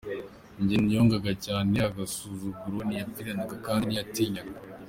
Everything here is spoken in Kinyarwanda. Ngo yangaga cyane agasuzuguro, ntiyaripfanaga kandi ntiyatinyaga.